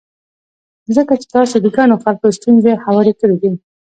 ځکه چې تاسې د ګڼو خلکو ستونزې هوارې کړې دي.